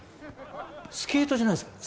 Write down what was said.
スケートじゃないです。